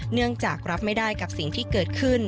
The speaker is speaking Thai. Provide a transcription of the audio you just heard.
เนื่องจากรับไม่ได้กับสิ่งที่เกิดขึ้น